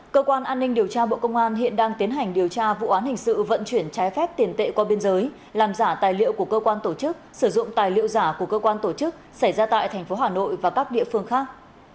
cơ quan an ninh điều tra bộ công an hiện đang tiến hành điều tra vụ án hình sự vận chuyển trái phép tiền tệ qua biên giới làm giả tài liệu của cơ quan tổ chức sử dụng tài liệu giả của cơ quan tổ chức xảy ra tại tp hà nội và các địa phương khác